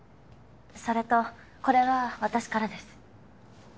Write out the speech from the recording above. それとこれは私からです。